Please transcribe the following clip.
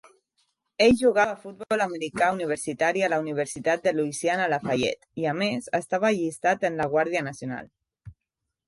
Ell jugava a futbol americà universitari a la Universitat de Louisiana-Lafayette i, a més, estava allistat en la Guàrdia Nacional.